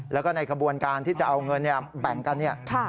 แล้วก็ในขบวนการที่จะเอาเงินแบ่งกัน